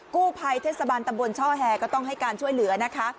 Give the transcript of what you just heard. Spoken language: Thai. กู้ภัยเทศบาลตำบลช่อแฮก็ต้องให้การช่วยเหลือนะคะ